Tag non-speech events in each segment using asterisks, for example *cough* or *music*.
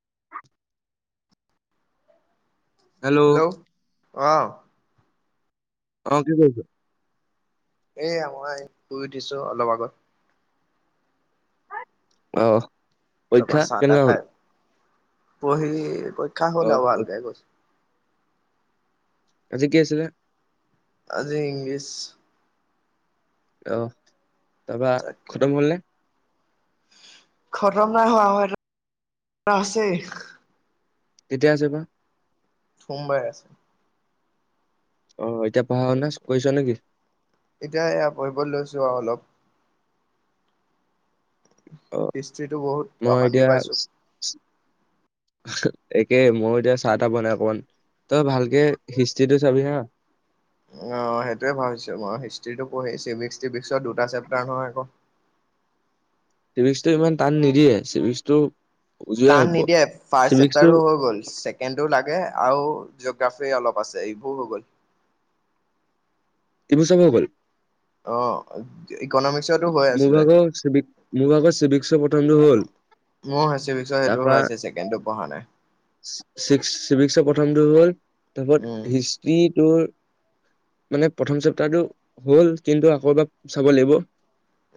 *inaudible* Hello. অ। অ, কি কৰিছে? এয়া মই শুই উঠিছো অলপ আগত। অহ। তা-পা পৰীক্ষা চাহ- টাহ কেনেকুৱা হ'ল? খাই, পৰহি পৰীক্ষা অ হ'ল আও হয়। ভালকে গৈছে। আজী কি আছিলে? আজি ইংলিছ। অহ তাৰ-পা তাকে খতম হ'ল নে? খতম নাই হোৱা। আও *unintelligible* আছেই। কেতিয়া আছে বা? সোমবায়ে আছে। অহ। এতিয়া পঢ়া- শুনা কইছ নে কি? এতিয়া এয়া পঢ়িব লৈছো আৰু অলপ অ হিষ্ট্ৰিটো বহুত মই অশান্তি এতিয়া পাইছোঁ। একে। মইও এতিয়া চাহ-তাহ বনাই অকমান তই ভালকে হিষ্ট্ৰিটো চাবি হা অ সেইটোয়ে ভাবিছো, মই হিষ্টিটো পঢ়ি, চিভিক্সটো আকৌ দুটা চেপটাৰ নহয় আকৌ। *inaudible* চিভিক্সটো ইমান টান নিদিয়ে। চিভিক্সটো- উজুৱে টান আহিব নিদিয়ে। ফাৰ্ষ্ট চিভিক্সটো চেপটাৰটো হৈ গল। ছেকেণ্ডটোৰ লাগে আৰু জিঅ'গ্ৰাফি অলপ আছে। এইবোৰ হৈ গ'ল। ইবোৰ চব হৈ গ'ল? অ'হ। মোৰ ভাগৰ চিভিক- মোৰ ভাগৰ চিভিক্সৰ প্ৰথমটো হ'ল। মোৰ চিভিক্সৰ সেইটো তাৰ পৰা হৈ আছে ছেকেণ্ডটো পঢ়া নাই চি- চিভিক্স প্ৰথমটো হ'ল। উম তাৰপত হিষ্ট্ৰিটোৰ মানে প্ৰথম চেপ্তাৰটো হ'ল। কিন্তু আকৌ ইবা চাব লাগিব।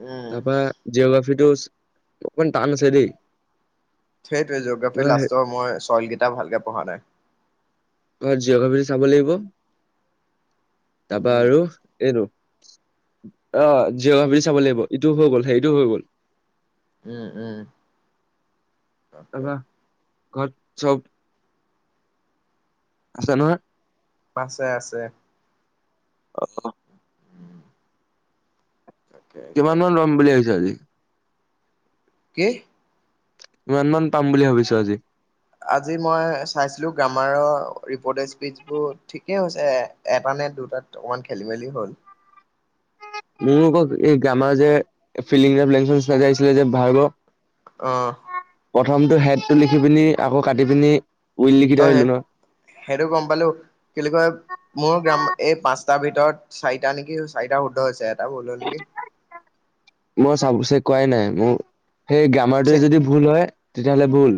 উম তাৰপৰা জিঅ'গ্ৰাফিটো অকমান টান আছে দেই। সেইটোৱে। জিঅ'গ্ৰাফী লাষ্টৰ মই চয়লকেইটা ভালকে পঢ়া নাই। ঘৰত জিঅ' গ্ৰাফীটো চাব লাগিব। তাৰপা উম আৰু এইটো অহ। জিঅগ্ৰাফি চাব লাগিব। ইটো হৈ গ'ল। হেৰিটো হৈ গ'ল। উম। উম। তাৰপা ঘৰত চব আছে নহয়? আছে। আছে। অহ। উম, তাকে এতিয়া কিমান মান ৰম বুলি ভাবিছ আজি? কি? কিমান মান পাম বুলি ভাবিছো আজি আজি মই চাইছিলো গ্ৰামাৰৰ ৰিপট স্পিচ বোৰ ঠিকেই হৈছে এটা মানে দুটাত অকমান খেলি মেলি হ'ল। মোৰোক এই গ্ৰামাৰ যে ফিছিলে যে ভ আহ প্ৰথমটো হেডটো লিখি পিনি আকৌ কাটি পিনি উইল লিখি থৈ তই আহিলো সেই ন সেইটো গম পালো কি বুলি কয় মোৰ গ্ৰাম এই পাঁচ তাৰ ভিতৰত চাৰিটা নেকি চাৰিটা শুদ্ধ হৈছে এটা বোলো নেকি মই চাব চ কোৱাই নাই মোৰ সেই গ্ৰামাৰটোৱে যদি ভুল হয় তেতিয়াহলে ভুল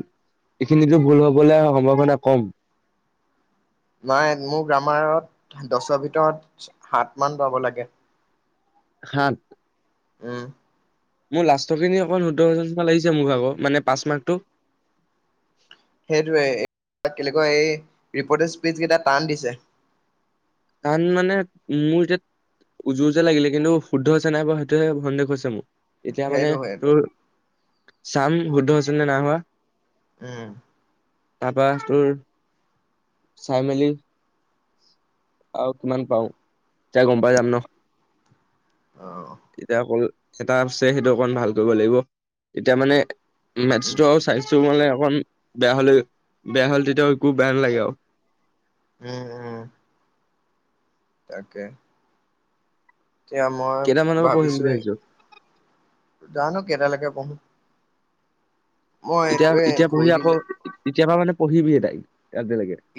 এইখিনিতো ভুল হবলৈ সম্ভাৱনা কম নাই মোৰ গ্ৰামাৰত দছৰ ভিতৰত সাত মান পাব লাগে। সাত উম মোৰ লাষ্টৰ খিনি অকণ সোতৰ হমান লাগিছে মোক আকৌ মানে পাচ মাৰ্কটো সেইটোৱে কেনেকুৱা এই ৰিপ'ৰ্টে স্পীচকেইটা টান দিছে তান মানে মোৰ যে উজোৰ যে লাগিলে কিন্তু শুদ্ধ হৈছে নাই বাৰু সেইটোহে সন্দেহ হৈছে মোৰ। এতিয়া মানে সেইটো সেইটো তোৰ চাম শুদ্ধ আছিল নে নাই হোৱা উম তাৰপা তোৰ চাই মেলি আহ কিমান পাও যাই গম পাই যাম ন। অ এতিয়া অকল এটা আছে সেইটো অকণ ভাল কৰিব লাগিব তেতিয়া মানে উম মেথছটো সাইন্ছ মানে অকণ বেয়া হলে বেয়া হ'ল তেতিয়া একু বেয়া নালাগে আৰু উম-উম তাকে এতিয়া মই কেইটামানৰ পৰা পঢ়িম ভাবিছোঁ বুলি ভাবিছ জানো কেইটালৈকে পঢ়ো। মই এইটোৱে এতিয়া-এতিয়া পঢ়ি ঘূৰি আকৌ দিলে এতিয়া পৰা মানে পঢ়িবি তই।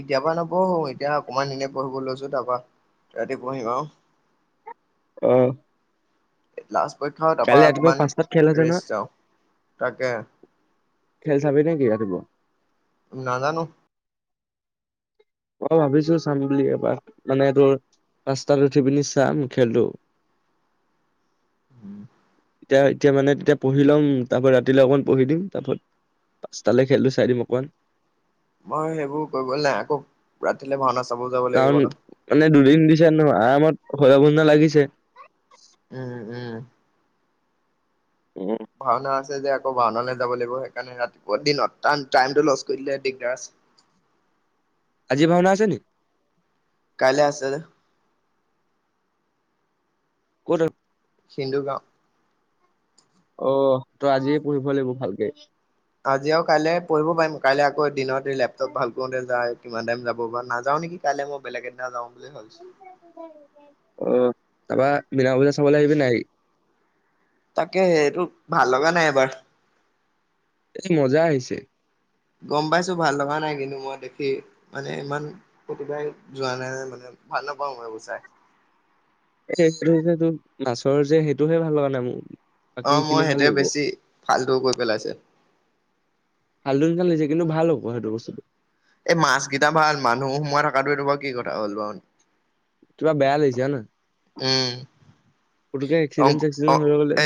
এতিয়াৰ পৰা নপঢ়ো এতিয়া অকমান এনে পঢ়িব লৈছোঁ তাৰপা ৰাতি পঢ়িম আৰু। অ' লাষ্ট পৰীক্ষা কালি তাৰপৰা ৰাতিপুৱা অকণমান পাঁচটাত খেল আছে নহয়, ৰেষ্ট পাওঁ, তাকে। খেল চাবি নে কি ৰাতিপুৱা? নাজানো। অ' ভাবিছোঁ চাম বুলি এবাৰ মানে তোৰ পাঁচটাত উঠি পিনি চাম খেলটো। উম। এতিয়া-এতিয়া মানে তেতিয়া পঢ়ি ল'ম তাৰপা ৰাতিলৈ অকমান পঢ়ি দিম তাৰপা পাঁচ তালৈ খেলিটো চাই দিম অকণমান। মই সেইবোৰ কৰিবলৈ নাই আকৌ ৰাতিলে ভাওনা চাব যাব লাগিব কাৰণ ন মানে দুদিন দিছে ন' আৰামত হৈ‌ *unintelligible* লাগিছে। উম-উম। ভাওনা আছে যে আকৌ ভাওনালৈ যাব লাগিব সেইকাৰণে ৰাতিপুৱা দিনত টাইমটো লষ্ট কৰি দিগদাৰ আছে। *unintelligible* আজি ভাওনা আছে নেকি? কাইলৈ আছে ক'ত সিন্ধু গাঁও। অ', ত' আজিয়ে পঢ়িব লাগিব ভালকে। আজি আৰু কাইলে পঢ়িব পাৰিম কাইলৈ আকৌ দিনত এই লেপটপ ভাল কৰোতে যায়। কিমান টাইম যাব বা নাযওঁ নেকি কাইলৈ মই বেলেগেইনাাওঁ বুলি ভাবিছো। অ' তাৰাপা বিনা বূজা চাবলৈ আহিবি নাই। তাকে সেইটো ভাল লগা নাই এবাৰ এ মজা আহিছে। গম পাইছো ভাল লগা নাই কিন্তু মই দেখি মানে ইমান প্ৰতিভাই যোৱা নাই-নাই মানে। ভাল নাপাওঁ মই গুচাই। এ সেইটো যেটো মাছৰ যে সেইটোহে ভাল লগা নাই মোৰ। বাকী অ মই সেইখিনি ভাল সেইটোৱে লাগিব। বেছি ভালটো কৰি পেলাইছে। হালধন চালছে কিন্তু ভাল হ'ব সেইটো বস্তুটো। এই মাছ কেইটা ভাল মানুহ সোমাই থকাটোটো বাৰু কি কথা হ'ল বাৰু। তোমাৰ বেয়া লাগিচে হয়নাই। উম অ'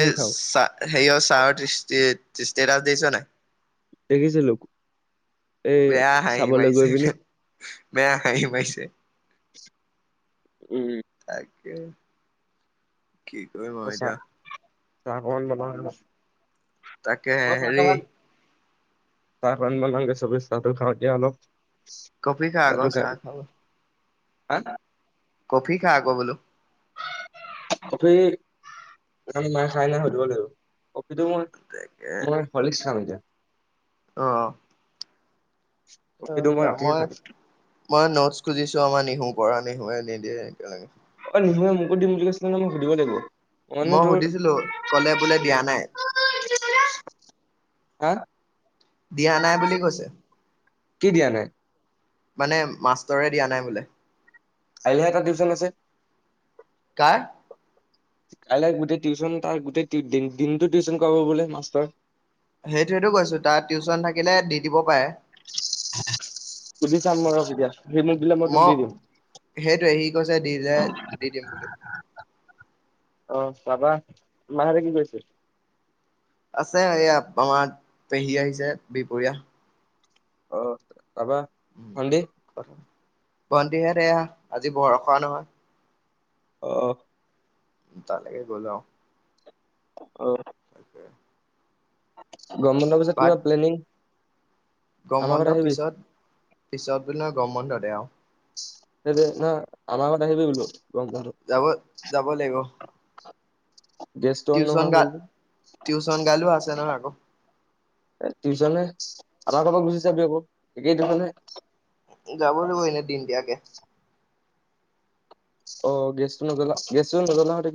শেষ আও সেয় ছাৰৰ সৃষ্টি। স্তেষ্টাচ দিছ নাই। দেখিছিলো। এই বেয়া আহাঁ চাবলৈ গৈ আহিমাইছে পিনি বেয়া আহিমাইছে। উম। কি ক মইত চাগল বন। তাকে হেৰি। চাহ ৰান্ধিব লাগগে চবেই চাহটো খাওঁ দিয়া অলপ। কফি খা আকৌ চাহটো খাই চাহ খাব। হা। কফি খাই আকৌ বোলো। কফি মায়ে খাই নাই সুধিব লাগিব। সেইটো মই মই হল্লিছ খাম এতিয়া। অহ, কফিটো মই ৰাতিহে খাম মই-মই নোট খুজিছো আমাৰ নিহুৰ পৰা নিহুৱে নিদিয়ে একেলগে। অ মোকো দিম বুলি কৈছিলে নহয় মই সুধিব লাগিব। মানে মই তোৰ সুধিছিলো ক'লে বোলে দিয়া নাই। হা। দিয়া নাই বুলি কৈছে। কি দিয়া নাই? মানে মাষ্টৰে দিয়া নাই বোলে। কাইলৈহে এটা টিউচন আছে। কাৰ। কাইলৈ গোটেই টিউচন তাৰ গোটেই দিন দিনটো টিউচন কৰাব বোলে মাষ্টৰে। সেইটোয়েটো কৈছো, তা টিউচন থাকিলে দি দিব পাৰে। সুধি চাম মই ৰহ কেতিয়া। সি মোক দিলে মই তোক দি দিম। সেইটোৱে সি কৈছে দি দিলে দি দিম বুলি অহ পাবা। মাহতে কি কৰিছে? আছে এইয়া আমাৰ পেহী আহিছে বিহপুৰীয়া। অ, তাৰপা ভণ্টি? ভণ্টিহত এয়া আজি বৰষা নহয়। অ। তালেকে গ'ল অ। অ', তাকে। গৰম বন্ধ পিছত কিবা প্লেনিং। গৰম আমাৰ ঘৰত বন্ধ আহিবি পিছত, পিছত পিনৰ গৰম বন্ধতে আৰু। স না আমাৰ ঘৰত আহিবি বোলো। গৰম বন্ধত যাব, যাব লাগিব। গেছটো অন টিউচন নোহোৱা গা হ'ল যে টিউচন গালো আছে নহয় আকৌ। টিউচনহে, আমাৰ ঘৰৰ পৰা গুচি যাবি আকৌ একেই টিউচনহে। যাব লাগিব এনে দিন দিয়াকে। অ, গেছটো নজলাওঁ, গেছ নাজলাওতে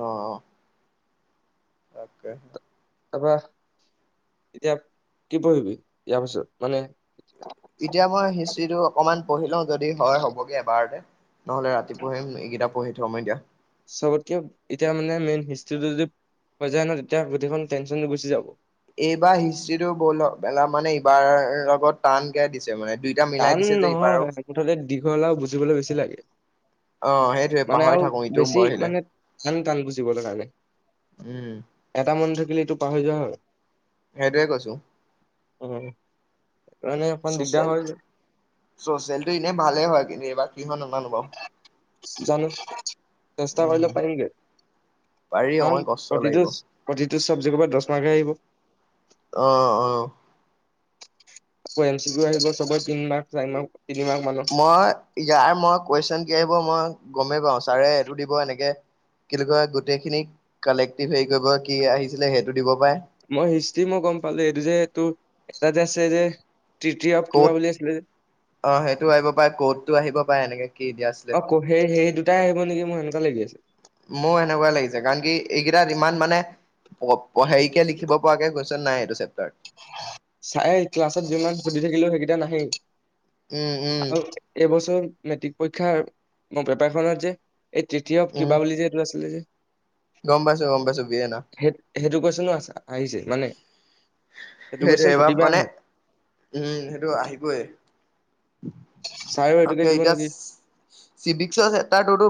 অ, অ। তাকে। তাৰপা, এতিয়া কি পঢ়িবি ইয়াৰ পাছত মানে এতিয়া মই হিষ্টিটো অকমান পঢ়ি লওঁ যদি হয় হ'বগে এবাৰতে। নহলে ৰাতি পঢ়িম। এইকেইটা পঢ়ি থম এতিয়া। চবতকে এতিয়া মানে মেইন হিষ্ট্ৰীটো যদি হৈ যায় নহ তেতিয়া গোটেইখন টেনশনটো গুচি যাব। এইবাৰ হিষ্ট্ৰিটো ব'ল মানে এইবাৰ লগত টান কে দিছে। মানে দুইটা মিলাই টান দিছে যে নহয় এইবাৰো। মুঠতে দীঘল আৰু বুজিবলৈ বেছি লাগে। অ' সেইটোৱে মানে পাহৰি আৰু থাকো ইটোও বেছি পঢ়িলে মানে ইমান টান বুজিবলে কাৰণে। উম এটা মন থাকিলে এইটো পাহৰি যোৱা হয়। সেইটোৱে কৈছো। তেনে অকণ দিগদাৰ চচিয়েল হয় যে। চ'চিয়েলটো এনেই ভালে হয়। কিন্তু এইবাৰ কি হয় নাজানো বাৰু। জানো, ৰেষ্টা উম কৰিলে পাৰিগেই। পাৰি অকমান কাৰন কষ্ট প্ৰতিটো লাগিব প্ৰতিটো চাবজেক্ট ক'ৰ পৰা, দহ মাৰকহে আহিব। অহ, অহ। আকৌ এম চি বিও আহিব সবৰে তিনিমাহ, চাৰিমাহ। মই ইয়াৰ, মই কোৱেচন কি আহিব মই গমেই পাওঁ। ছাৰে এইটো দিব এনেকে। কিনো কয় গোটেই খিনি কালেক্টিভ হেৰি কৰিব কি আহিছিলে সেইটো দিব পাৰে। মই হিষ্ট্ৰি মই গ'ম পালো। এইটো যে, এইটো এটা যে আছে যে, তৃতিয়ভ ক'ত কিবা বুলি আছিলে। অ সেইটো আহিব পাৰে ক'তটো আহিব পাৰে এনেকে কি এ দিয়া আছিলে এ আহিব নেি মই সেনেকা লাগি আছে মোৰ এনেকুৱা লাগিছে কাৰণ কি এইকেইটাত ইমান মানে হেৰিকে লিখিব পৰা কে গৈছ নাই এইটো চেপাৰ চাই ক্লাছত যিমান ছুধি থাকিলো সেইকেইটা নাহেই উম উম আৰু এইবছৰ মেট্ৰিক পৰীক্ষাৰ মোৰ পেপাৰখনত যে এই তৃতীয় উম কিবা বুলি যে এইটো আছিলে যে গম পাইছো গম পাইছো বি এ না সেই সেইটো কৈছোনো আহিছে মানে সেইটো কুৱেশ্যন সেইটোয়েবাৰ প্ৰতিবাৰ মানে আহে উম সেইটো আহিবয়ে ছাৰেও এইটোকে অকে দিব এতিয়া নেকি চিভিকসৰ চেপটাৰ টোটো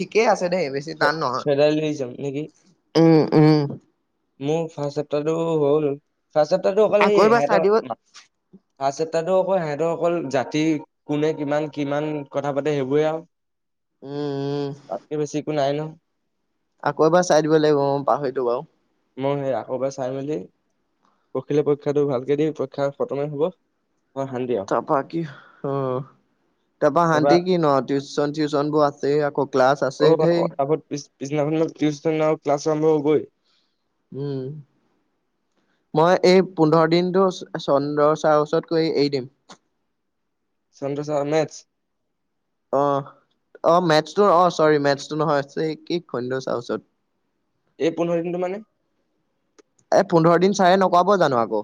ঠিকেই আছে দেই বেছি টান ফেডাৰেল ৰিজম নেকি নহয় উম উম। মোৰ ফাৰ্ষ্ট চেপ্টাৰ টো হল ফাৰ্ষ্ট চেপ্টাৰ টো অকল আকৌ এই এবাৰ চাই সিহতৰ দিব ত তাতো অকৌ সিহঁতৰ অকল জাতি কোনে কিমান কিমান কথা পাতে সেইবোৰে আৰু উম তাতকে বেছি উম একো নাই ন আকৌ এবাৰ চাই দিব লাগিব অ', পাহৰিলো বাৰু মই সেই আকৌব চাই মেলি পখিলে পৰীক্ষাটো ভালকে দি পৰীক্ষা খতমে হব মই শান্তি আৰু তপা কি উম তাৰপা তাৰপৰা শান্তি কি ন টিউশন চিউচন বোৰ আছে আকৌ ক্লাছ আছে পিছদিনা খন টিউচন আৰু ক্লাছ আৰম্ভ হবই উম, মই এই পোন্ধৰ দিনটো চন্দ্ৰ ছাৰৰ ওচৰত গৈ এৰি দিম। *inaudible* চন্দ্ৰ ছাৰৰ মেটচ? অ', অ', মেথছটো অ, চৰি মেথছটো নহয় কি *unintelligible* ছাৰৰ ওচৰত। এই পোন্ধৰ দিনটো মানে? এই পোন্ধৰ দিন ছাৰে নকৰাব জানো আকৌ।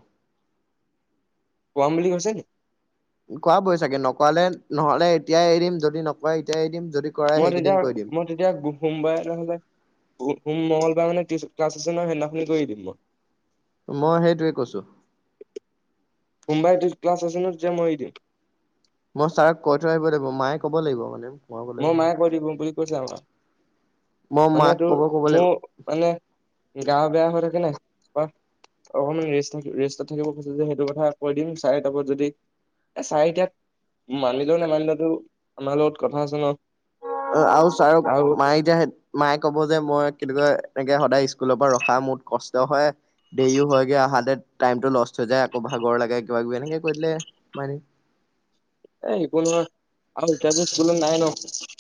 পঢ়াম বুলি কৈছে নি কৰাবই চাগে ন'। কৰালে নহ'লে এতিয়াই এৰিম যদি নকয় এতিয়াই এৰি দিম। যদি কৰে মই তেতিয়া সেইকেইদিন কৰি মই তেতিয়া সোমবাৰে নহ'লে, সোম, মংগল। বাৰ মানে ক্লাছ আছে ন' সেইদিনাখন কৰি দিম মই। মই সেইটোৱে কৈছো। কুৱেশনত যে মই মই ছাৰক কৈ থৈ আহিব লাগিব মায়ে ক'ব লাগিব মানে। মই গ'লে মোৰ নহয়। মায়ে কৈ দিব বুলি কৈছে আমাক। মই মানে মাক তোৰ, ক'ব ক'ব লাগিব মোৰ, মানে গাৱ বেয়া হৈ থাকে ন' কোৱা? অকমান ৰেষ্ট ৰেষ্টত থাকিব কৈছে যে সেইটো কথা কৈ দিম ছাৰে তাপা যদি এ ছাৰে এতিয়া, মানিলও নেমানিলেও, টো আমাৰ লগত কথা আছে ন'। অ', আৰু ছাৰক আৰু মায়ে এতিয়া, মায়ে ক'ব যে মই কেনেকুৱা লাইক কে সদায় স্কুলৰ পৰা ৰখা মোৰ কষ্ট হয়, দেৰিও হয়গে আহালে। টাইমটো লষ্ট হৈ যায় আকৌ ভাগৰ লাগে কিবা কিবি এনেকে কৰি দিলে, মানি। এ সেইবোৰ নোৱাৰো, আৰু এতিয়াটো শিকিবলৈ নাই ন'।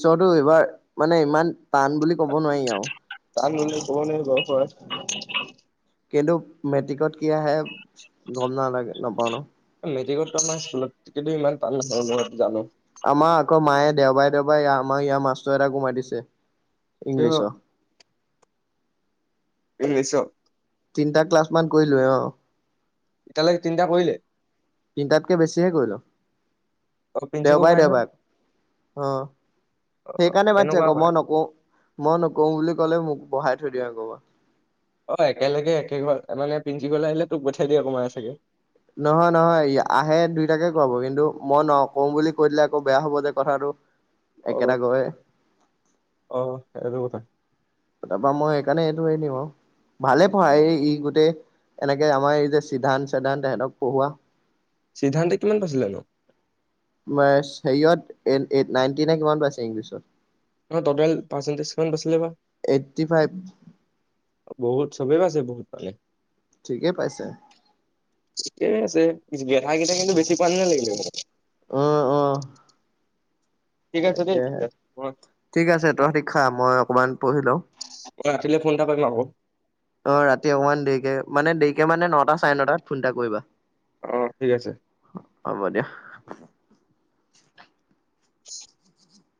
পিছতো এইবাৰ, মানে ইমান টান বুলি কব নোৱাৰি আৰু। টান বুলি কব নোৱাৰি বাউ পাই। কিন্তু মেট্ৰিকত কি আহে, গম নালাগে নাপাও ন'। *unintelligible* কিন্তু ইমান টান নহবো মই জানো। আমাৰ আকৌ মায়ে দেওবাৰে দেওবাৰে আমাৰ ইয়াৰ মাষ্টৰ এটাকো মাতিছে। কিয় ইংলিছৰ। ইংলিছৰ। তিনিটা ক্লাছ মান কৰিলোঁ অ, এতিয়ালৈকে তিনিটা কৰিলি? তিনটাতকে বেছিহে কৰিলোঁ। অ প্ৰিন্সিপাল দেওবাৰে কৰাই নহয় দেওবাৰে, অ, অ সেইকাৰণে মাতছে কেনেকুৱা আকৌ কৰে মই নকওঁ, মই নকওঁ বুলি ক'লে মোক। বঢ়হাই থৈ দিয়া আকৌবাৰ। অ', একেলগে একে ঘৰ মানে প্ৰিন্সিপাল আহিলে তোক পঠিয়াই দিয়ে *unintelligible* চাগে। নহয়, নহয়, আহে দুইটাকে কৰাব কিন্তু মই নকম বুলি কৈ দিলে আকৌ বেয়া হব যে কথাটো। একেটা অ', ঘৰৰে অ, এটো কথা। তাৰপা মই সেইকাৰণে এইটো এৰি দিম আৰু। ভালে পঢ়াই ই গোটেই, এনেকে আমাৰ এই যে সিদ্ধান চিদ্ধান সহেঁতক পঢ়োৱা। সিদ্ধান্তে কিমান পাইছিলে নো? মানে হেৰিয়ত, এইট-এইট নাইনটি নে কিমান পাইছে ইংলিছত। টোটেল পাৰ্চেণ্টজকাউণ্ট কিমান পাছিলে বা। এইটটি ফাইভ বহুত চবে আছে বহুত মানে ঠিকে পাইছে। ঠিকেই আছে গেধাই কেইটা কিন্তু বেছি পোৱা নি লাগিলে মো অহ, অহ। ঠিক আছে, দে ঠিক আছে উম। ঠিক আছে, তহঁতি খা মই অকমান পঢ়ি লওঁ। মই ৰাতিলে ফোন এটা কৰিম আকৌ অ, ৰাতি অকমান দেৰিকে মানে দেৰিকে মানে নটা চাৰে নটাত ফোন এটা কৰিবা। অ ঠিক আছে হব দিয়া। *inaudible*